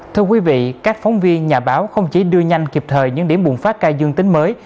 thưa quý vị các phóng viên nhà báo không chỉ đưa nhanh kịp thời những điểm bùng phát ca dương tính mới